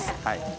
はい。